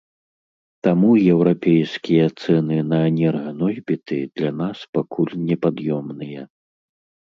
Таму еўрапейскія цэны на энерганосьбіты для нас пакуль непад'ёмныя.